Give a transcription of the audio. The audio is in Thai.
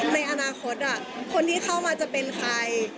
ในอนาคตคนที่เข้ามาจะเป็นใคร